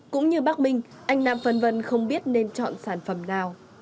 cũng như bác minh anh nam phân vân không biết nên chọn sản phẩm nào